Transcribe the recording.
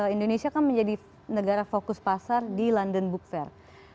indonesia kan menjadi negara fokus pasar di london book fair